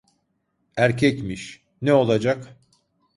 Erkekmiş… Ne olacak?